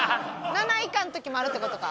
７以下の時もあるって事か。